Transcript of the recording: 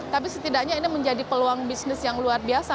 tapi setidaknya ini menjadi peluang bisnis yang luar biasa